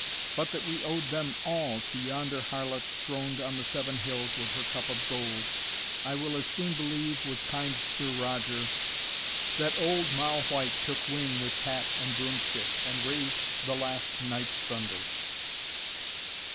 But that we owed them all to yonder Harlot Throned on the seven hills with her cup of gold, I will as soon believe, with kind Sir Roger, That old Moll White took wing with cat and broomstick, And raised the last night's thunder.